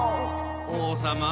おうさま